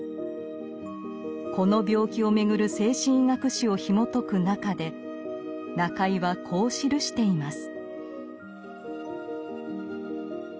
この病気をめぐる精神医学史をひもとくなかで中井はこう記しています。